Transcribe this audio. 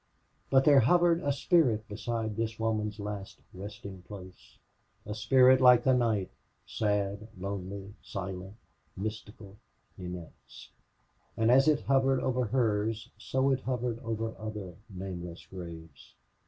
But there hovered a spirit beside this woman's last resting place a spirit like the night, sad, lonely, silent, mystical, immense. And as it hovered over hers so it hovered over other nameless graves.